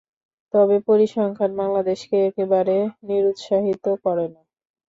তবে পরিসংখ্যান বাংলাদেশকে একেবারে নিরুৎসাহিত করে না।